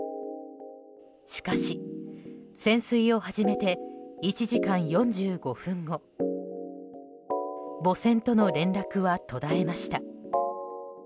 しかし潜水を始めて１時間４５分後母船との連絡は途絶えました。